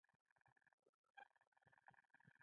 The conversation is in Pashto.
هغوی دي دا خوب روڼو اوبو ته ووایي